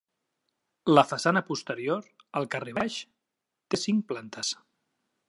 La façana posterior, al carrer Baix, té cinc plantes.